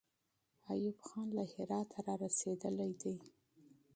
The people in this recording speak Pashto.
ایوب خان له هراته را رسېدلی دی.